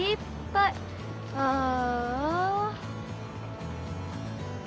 ああ。